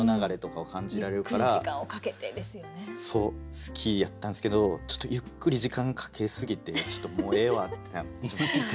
好きやったんですけどちょっとゆっくり時間かけすぎてちょっともうええわってなってしまって。